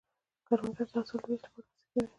کروندګر د حاصل د ویش لپاره هڅې کوي